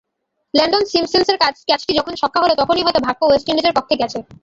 Lendl সিমন্সের ক্যাচটি যখন ছক্কা হলো তখনই হয়তো ভাগ্য ওয়েস্ট ইন্ডিজের পক্ষে গেছে।